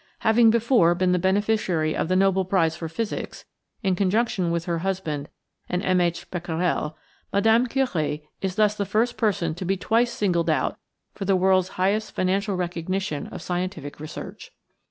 Having before been the beneficiary of the Nobel prize for physics, in conjunction with her husband and M. H. Becquerel, Mme. Curie is thus the first person to be twice singled out for the world 's highest financial recognition of scientific research.